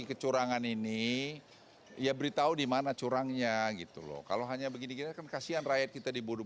kecurangan ini ia beritahu dimana curangnya gitu loh kalau hanya begini kasihan rakyat kita dibodoh